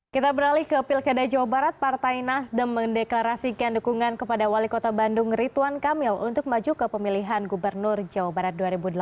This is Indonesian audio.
kita beralih ke pilkada jawa barat partai nasdem mendeklarasikan dukungan kepada wali kota bandung ridwan kamil untuk maju ke pemilihan gubernur jawa barat dua ribu delapan belas